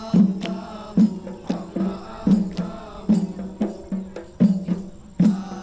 kepiawaian pendatang jawa berhasil memikat hati orang minahasa